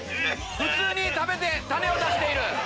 普通に食べて種を出している！